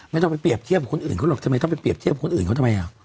ไม่ต้องไปเปรียบเทียบกับคนอื่นเขาหรอกทำไมต้องไปเรียบเทียบคนอื่นเขาทำไม